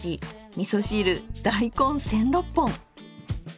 みそ汁大根千六本！